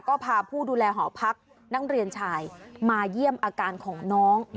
ก็พาผู้ดูแลหอพักนักเรียนชายมาเยี่ยมอาการของน้อง